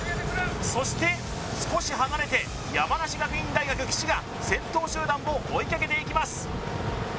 そして少し離れて山梨学院大学岸が先頭集団を追いかけていきます